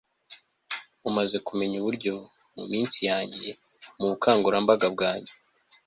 mumaze kumenya uburyo, muminsi yanjye, mubukangurambaga bwanjye